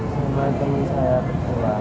semua teman saya keluar